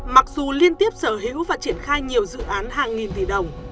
mặc dù liên tiếp sở hữu và triển khai nhiều dự án hàng nghìn tỷ đồng